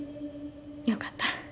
良かった。